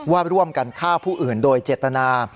ว่าร่วมกันฆ่าผู้อื่นโดยเจตนา